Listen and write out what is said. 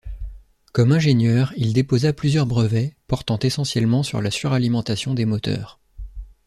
Comme ingénieur, il déposa plusieurs brevets, portant essentiellement sur la suralimentation des moteurs.